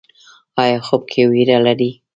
ایا خوب کې ویره لرئ؟